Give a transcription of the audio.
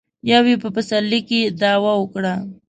يو يې په پسرلي کې دعوه وکړه.